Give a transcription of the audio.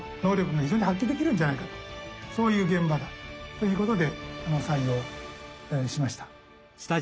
ということで採用しました。